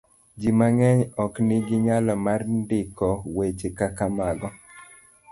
Ji mang'eny ok nigi nyalo mar ndiko weche kaka mago.